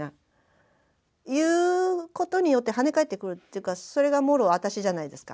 言うことによって跳ね返ってくるというかそれがもろ私じゃないですか。